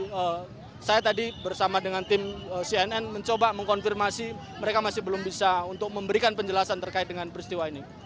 jadi saya tadi bersama dengan tim cnn mencoba mengkonfirmasi mereka masih belum bisa untuk memberikan penjelasan terkait dengan peristiwa ini